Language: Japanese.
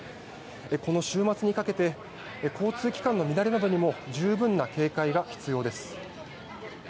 この週末にかけて交通機関の乱れなどにも十分な警戒が必要です。